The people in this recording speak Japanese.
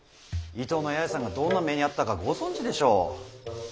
伊東の八重さんがどんな目に遭ったかご存じでしょう。